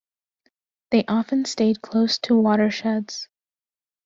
They often stayed close to watersheds.